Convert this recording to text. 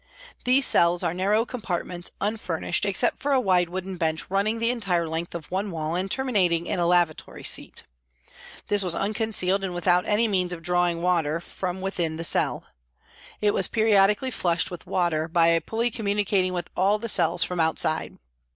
These cells are narrow compartments, unfurnished, except for a wide wooden bench running the entire length of one wall and terminating in a lavatory seat. This was unconcealed and without any means of drawing water from within the cell. It was periodically flushed with water by a pulley communicating with all the cells from outside.